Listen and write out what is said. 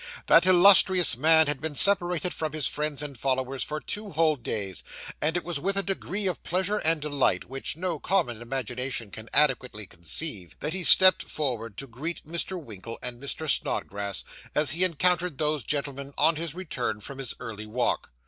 That illustrious man had been separated from his friends and followers for two whole days; and it was with a degree of pleasure and delight, which no common imagination can adequately conceive, that he stepped forward to greet Mr. Winkle and Mr. Snodgrass, as he encountered those gentlemen on his return from his early walk.